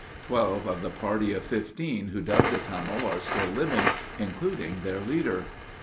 Twelve of the party of fifteen who dug the tunnel are still living, including their leader.